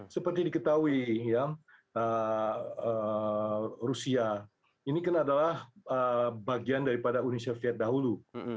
seperti diketahui rusia ini kan adalah bagian daripada uni soviet dahulu